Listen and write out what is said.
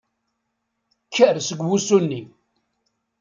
Kker seg wusu-nni.